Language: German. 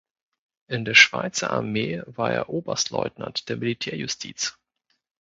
In der Schweizer Armee war er Oberstleutnant der Militärjustiz.